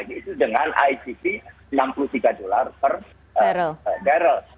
itu dengan icb enam puluh tiga dollar per barrel